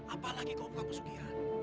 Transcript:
apalagi kalau bukan pesekian